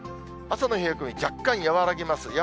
朝の冷え込み、若干和らぎます。